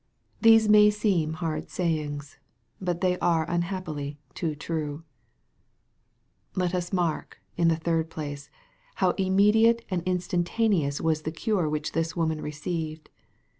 These may seem hard sayings. But they are unhappily too true ! Let us mark, in the third place, how immediate and instantaneous was the cure which this woman received.